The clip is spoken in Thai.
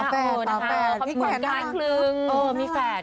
เหมือนการคลึงมีแฟด